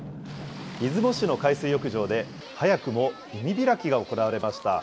出雲市の海水浴場で、早くも海開きが行われました。